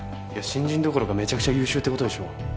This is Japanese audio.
新人どころかめちゃくちゃ優秀って事でしょ。